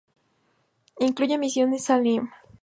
Incluye Misión Salim.